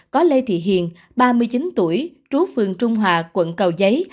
có lê thị hiền ba mươi chín tuổi trú phường trung hòa quận cầu giấy